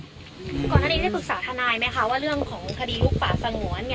ก่อนหน้านี้ได้ปรึกษาทนายไหมคะว่าเรื่องของคดีลุกป่าสงวน